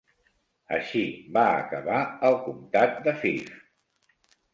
Així va acabar el comtat de Fife.